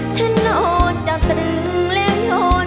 ฉันโน่นจะตรึงเล่นโน่น